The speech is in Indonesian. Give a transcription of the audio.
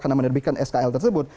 karena menerbitkan skl tersebut